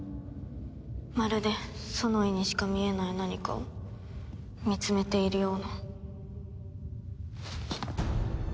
まるでソノイにしか見えない何かを見つめているような。